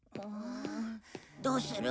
どうする？